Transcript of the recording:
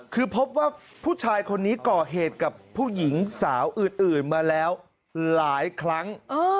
คือพบว่าผู้ชายคนนี้ก่อเหตุกับผู้หญิงสาวอื่นมาแล้วหลายครั้ง